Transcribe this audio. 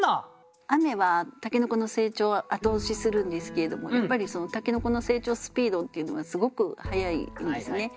雨は筍の成長を後押しするんですけれどもやっぱりその筍の成長スピードっていうのはすごく速いんですね。